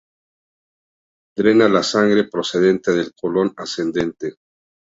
Drena la sangre procedente del "colon ascendente".